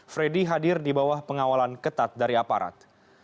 freddy hadir di bawah pengawalan ketat dari aparat